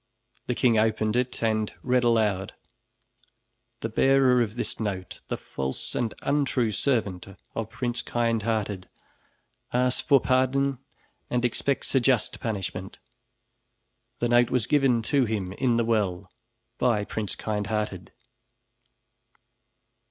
The king opened it and read aloud: "The bearer of this note, the false and untrue servant of Prince Kindhearted, asks for pardon and expects a just punishment. The note was given to him in the well by Prince Kindhearted."